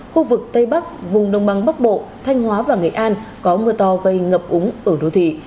khu vực tây bắc vùng đông băng bắc bộ thanh hóa và nghệ an có mưa to gây ngập úng ở đô thị